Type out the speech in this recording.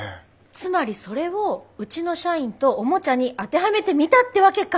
つまりそれをうちの社員とおもちゃに当てはめてみたってわけか。